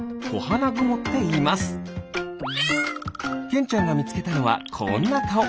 けんちゃんがみつけたのはこんなかお。